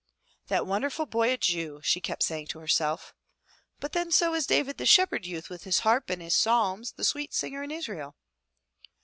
"That wonderful boy a Jew," she kept saying to herself. "But then so was David the shepherd youth with his harp and his psalms, the sweet singer in Israel."